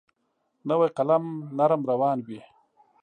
نوی قلم نرم روان وي.